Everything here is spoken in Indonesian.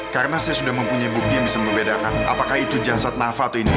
karena saya sudah mempunyai bukti yang bisa membedakan apakah itu jasad nafa atau ini